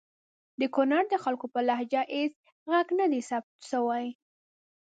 د کنړ د خلګو په لهجو هیڅ ږغ ندی ثبت سوی!